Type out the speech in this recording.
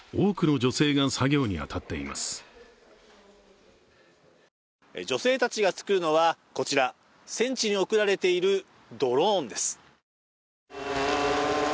女性たちが作るのは、こちら、戦地に送られている、ドローンです